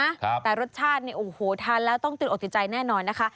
ค่ะแต่รสชาติอีนอูหูทานแล้วต้องตื่นอดติใจแน่นอนนะคะ